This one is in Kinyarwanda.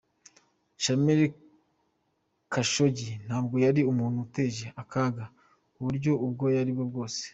"Jamal Khashoggi ntabwo yari umuntu uteje akaga mu buryo ubwo ari bwo bwose.